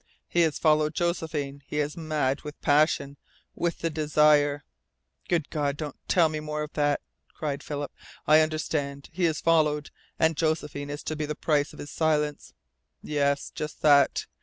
He has followed Josephine. He is mad with passion with the desire " "Good God, don't tell me more of that!" cried Philip. "I understand. He has followed. And Josephine is to be the price of his silence!" "Yes, just that.